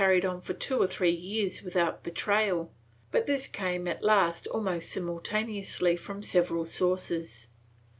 Ill] THE VALLADOLID OBOUP 431 on for two or three years without betrayal, but this came at last almost simultaneously from several sources.